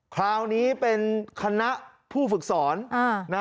คราวนี้เป็นคณะผู้ฝึกสอน